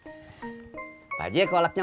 assalamualaikum salam dih